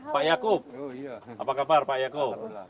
pak yaakub apa kabar pak yako